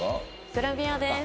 グラビアです。